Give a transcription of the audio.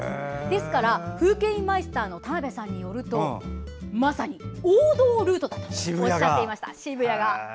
ですから風景印マイスターの田辺さんによりますとまさに王道ルートだとおっしゃっていました。